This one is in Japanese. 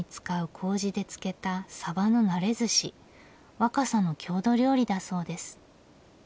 若桜の郷土料理だそうです。